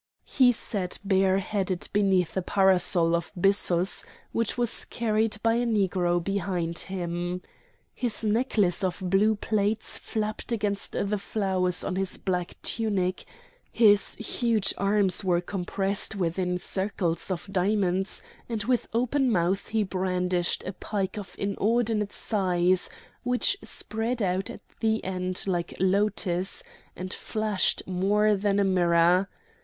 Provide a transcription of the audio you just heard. He sat bare headed beneath a parasol of byssus which was carried by a Negro behind him. His necklace of blue plates flapped against the flowers on his black tunic; his huge arms were compressed within circles of diamonds, and with open mouth he brandished a pike of inordinate size, which spread out at the end like a lotus, and flashed more than a mirror.